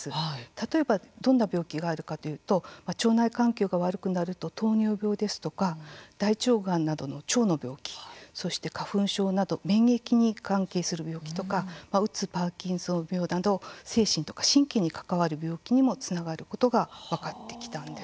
例えばどんな病気があるかというと腸内環境が悪くなると糖尿病ですとか大腸がんなどの腸の病気そして花粉症など免疫に関係する病気とかうつ、パーキンソン病など精神とか神経に関わる病気にもつながることが分かってきたんです。